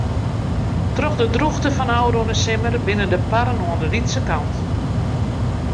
Troch de drûchte fan ôfrûne simmer binne de parren oan de lytse kant.